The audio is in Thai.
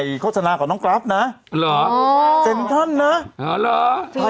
อีเง่ลิเฟนก็คิวเยอะกว่าดาราอีกตัวเนี่ย